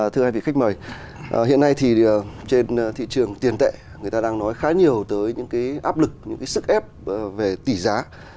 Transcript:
thưa hai vị khách mời hiện nay thì trên thị trường tiền tệ người ta đang nói khá nhiều tới những cái áp lực những cái sức ép về tỷ giá